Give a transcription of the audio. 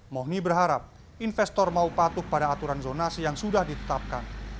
mohni berharap investor mau patuh pada aturan zonasi yang sudah ditetapkan